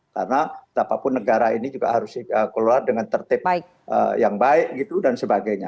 karena apapun negara ini juga harus keluar dengan tertib yang baik dan sebagainya